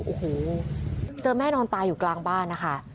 โอ้โหเจอแม่นอนตายอยู่กลางบ้านนะคะ